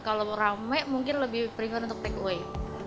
kalau ramai mungkin lebih prefer untuk take away